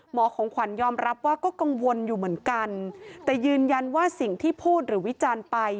ของขวัญยอมรับว่าก็กังวลอยู่เหมือนกันแต่ยืนยันว่าสิ่งที่พูดหรือวิจารณ์ไป